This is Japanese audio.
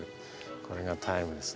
これがタイムですね。